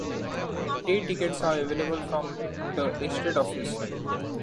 Day tickets are available from the Estate Office.